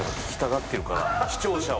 視聴者は。